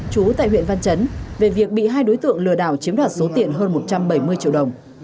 chú tại huyện văn chấn về việc bị hai đối tượng lừa đảo chiếm đoạt số tiền hơn một trăm bảy mươi triệu đồng